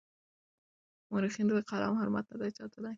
مورخينو د قلم حرمت نه دی ساتلی.